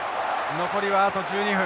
残りはあと１２分。